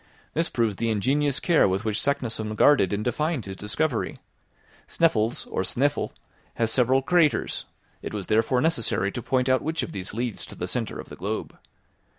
This proves the ingenious care with which Saknussemm guarded and defined his discovery. Sneffels, or Snæfell, has several craters. It was therefore necessary to point out which of these leads to the centre of the globe.